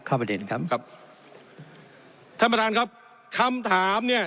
ประเด็นครับครับท่านประธานครับคำถามเนี่ย